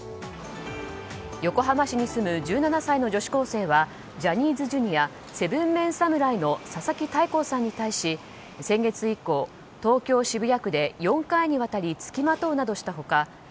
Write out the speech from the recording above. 横浜市に住む１７歳の女子高生はジャニーズＪｒ．７ＭＥＮ侍の佐々木大光さんに対し先月以降東京・渋谷区で４回にわたり付きまとうなどしたほか